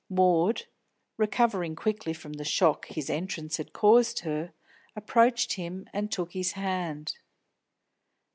Maud, recovering quickly from the shock his entrance had caused her, approached him and took his hand.